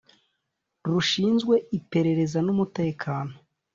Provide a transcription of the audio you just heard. rushinzwe Iperereza n Umutekano